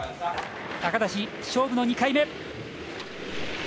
高梨、勝負の２回目。